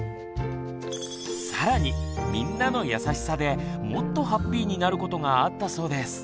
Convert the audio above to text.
更に「みんなの優しさ」でもっとハッピーになることがあったそうです。